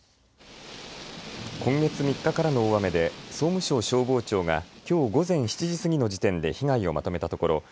今月３日からの大雨で総務省消防庁がきょう午前７時過ぎの時点で被害をまとめたところ